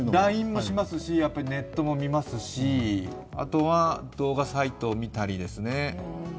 ＬＩＮＥもしますしネットも見ますし、あとは動画サイトを見たりですね。